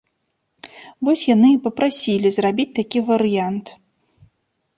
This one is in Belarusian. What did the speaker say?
Вось яны і папрасілі зрабіць такі варыянт.